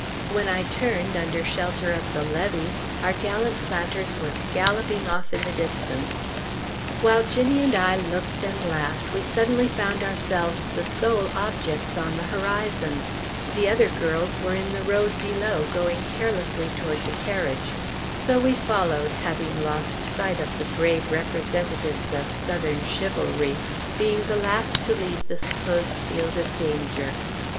When I turned, under shelter of the levee, our gallant planters were galloping off in the distance. While Ginnie and I looked and laughed, we suddenly found ourselves the sole objects on the horizon; the other girls were in the road below, going carelessly toward the carriage; so we followed, having lost sight of the brave representatives of Southern chivalry, being the last to leave the supposed field of danger.